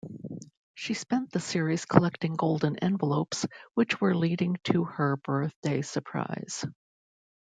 She spent the series collecting golden envelopes which were leading to her birthday surprise.